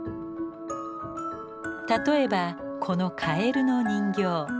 例えばこのカエルの人形。